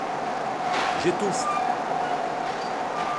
J'étouffe!